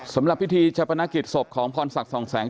สำหรับพิธีชะปนกิจศพของพรศักดิ์สองแสง